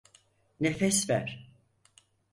Nefes ver.